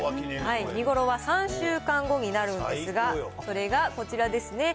見頃は３週間後になるんですが、それがこちらですね。